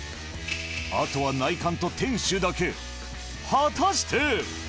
あとは内観と店主だけ果たして？